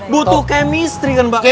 butuh chemistry kan pak